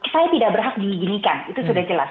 saya tidak berhak diginikan itu sudah jelas